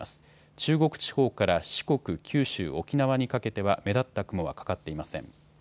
中国地方から四国、九州、沖縄にかけては目立った雲はかかっていません。